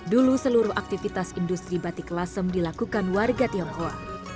dulu seluruh aktivitas industri batik lasem dilakukan warga tionghoa